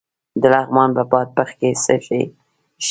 د لغمان په بادپخ کې څه شی شته؟